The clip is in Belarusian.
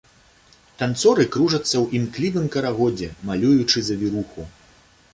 Танцоры кружацца ў імклівым карагодзе, малюючы завіруху.